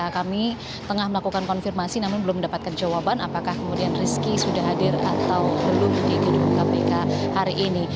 kami tengah melakukan konfirmasi namun belum mendapatkan jawaban apakah kemudian rizky sudah hadir atau belum di gedung kpk hari ini